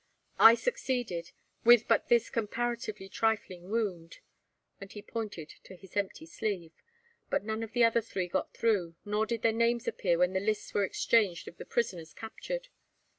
"I succeeded with but this comparatively trifling wound," and he pointed to his empty sleeve, "but none of the other three got through, nor did their names appear when the lists were exchanged of the prisoners captured.